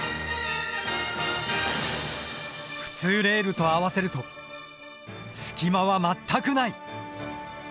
普通レールと合わせると隙間は全くない。